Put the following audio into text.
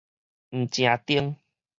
毋成丁